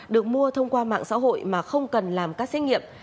được mua thông qua mạng xã hội mà không cần làm các xét nghiệm